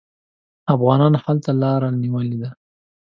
افغانانو هلته لاره نیولې ده.